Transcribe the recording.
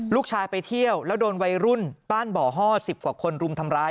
ลูกชายไปเที่ยวแล้วโดนวัยรุ่นบ้านบ่อห้อ๑๐กว่าคนรุมทำร้าย